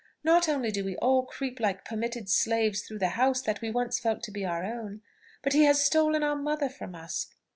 Not only do we all creep like permitted slaves through the house that we once felt to be our own, but he has stolen our mother from us.